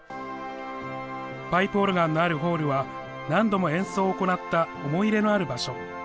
パイプオルガンのあるホールは何度も演奏を行った思い入れのある場所。